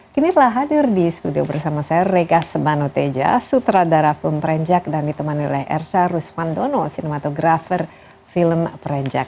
kini telah hadir di studio bersama saya rega sebanoteja sutradara film prenjak dan ditemani oleh ersha rusmandono sinematografer film perenjak